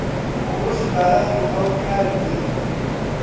ڕۆژی باران و هەور کار نییە.